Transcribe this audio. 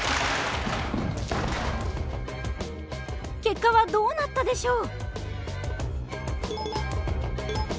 結果はどうなったでしょう？